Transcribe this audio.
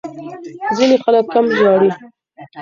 ځینې خلک کم ژاړي.